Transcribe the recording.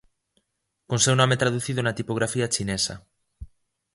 Con seu nome traducido na tipografía chinesa.